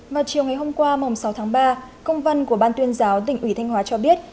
vào chiều ngày hôm qua sáu tháng ba công văn của ban tuyên giáo tỉnh ủy thanh hóa cho biết